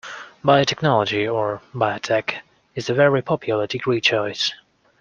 Biotechnology, or Biotech, is a very popular degree choice